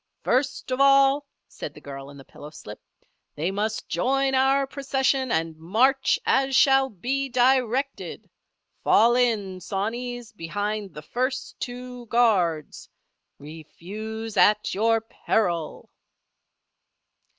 "First of all," said the girl in the pillowslip, "they must join our procession and march as shall be directed. Fall in, sawneys, behind the first two guards. Refuse at your peril!"